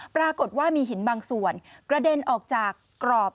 ปรากฏว่ามีหินบางส่วนกระเด็นออกจากกรอบสังกสิทธิล้อมรอบเอาไว้